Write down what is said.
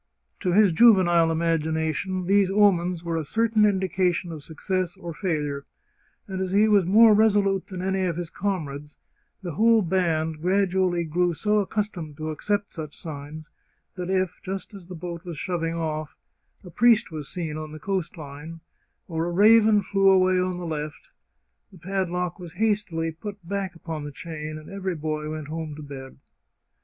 To his juvenile imagination these omens were a certain indication of success or failure, and as he was more resolute than any of his comrades, the whole band gradually grew so accus tomed to accept such signs that if, just as the boat was shoving off, a priest was seen on the coast line, or a raven flew away on the left, the padlock was hastily put back upon the chain and every boy went home to bed.